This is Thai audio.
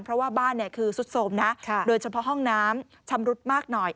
เพราะว่าบ้านคือสุดโสมนะโดยเฉพาะห้องน้ำชำรุดมากหน่อย